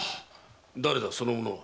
誰だその者は？